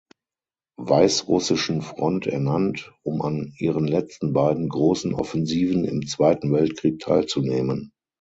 Weißrussischen Front ernannt, um an ihren letzten beiden großen Offensiven im Zweiten Weltkrieg teilzunehmen.